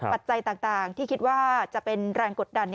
ปัจจัยต่างที่คิดว่าจะเป็นแรงกดดัน